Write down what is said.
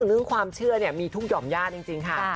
เรื่องความเชื่อมีทุกห่อมญาติจริงค่ะ